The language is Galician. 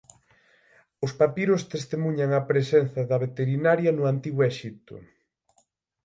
Os papiros testemuñan a presenza da veterinaria no antigo Exipto.